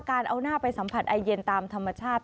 การเอาหน้าไปสัมผัสไอเย็นตามธรรมชาติ